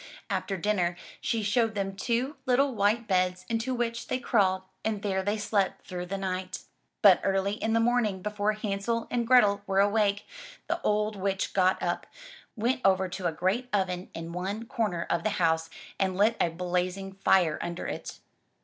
After dinner, she showed them two little white beds into which they crawled and there they slept through the night. 49 MY BOOK HOUSE But early in the morning before Hansel and Grethel were awake, the old witch got up, went over to a great oven in one comer of the house and lit a blazing fire under it.